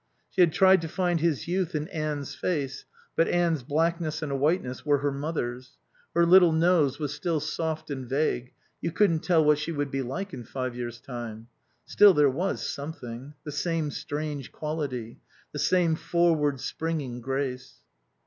She had tried to find his youth in Anne's face; but Anne's blackness and whiteness were her mother's; her little nose was still soft and vague; you couldn't tell what she would be like in five years' time. Still, there was something; the same strange quality; the same forward springing grace.